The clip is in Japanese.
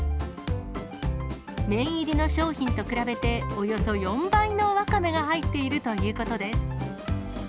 麺入りの商品と比べておよそ４倍のわかめが入っているということです。